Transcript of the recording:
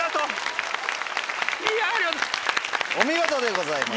お見事でございます。